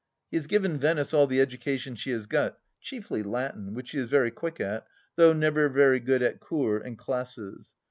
He has given Venice all the education she has got, chiefly Latin which she is very quick at, though never good at cours and classes.